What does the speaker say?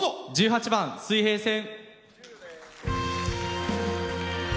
１８番「水平線」。